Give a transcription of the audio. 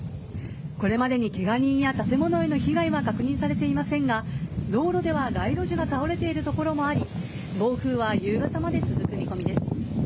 これまでにケガ人や建物への被害は確認されていませんが道路では街路樹が倒れているところもあり暴風雨は夕方まで続く見込みです。